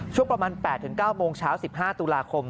ช่วงประมาณ๘๙โมงเช้า๑๕ตุลาคม